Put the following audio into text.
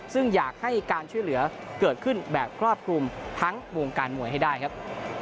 ซึ่งอยากให้การช่วยเหลือเกิดขึ้นแบบครอบคลุมทั้งวงการมวยให้ได้ครับ